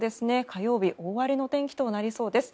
火曜日、大荒れの天気となりそうです。